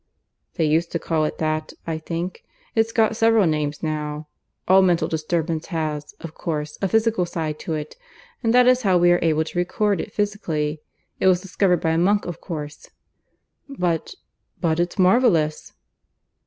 "They used to call it that, I think. It's got several names now. All mental disturbance has, of course, a physical side to it, and that is how we are able to record it physically. It was discovered by a monk, of course." "But ... but it's marvellous."